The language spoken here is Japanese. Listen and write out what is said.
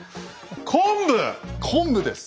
昆布です。